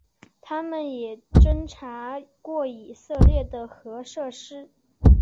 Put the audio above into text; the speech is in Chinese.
它们也侦察过以色列的核设施。